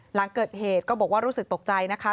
หลังเกิดเหตุก็บอกว่ารู้สึกตกใจนะคะ